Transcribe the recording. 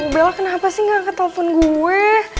bel kenapa sih nggak angkat telepon gue